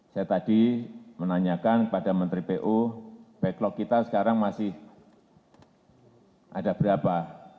saya tadi menanyakan kepada menteri pu backlog kita sekarang masih ada berapa